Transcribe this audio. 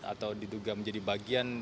atau diduga menjadi bagian